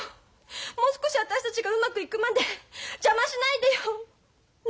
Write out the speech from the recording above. もう少し私たちがうまくいくまで邪魔しないでよ。ね！